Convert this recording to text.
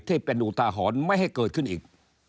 ที่เป็นอุทาหรณ์ไม่ให้เกิดขึ้นอีก